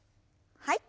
はい。